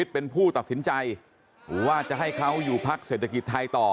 เป็นผู้ตัดสินใจว่าจะให้เขาอยู่พักเศรษฐกิจไทยต่อ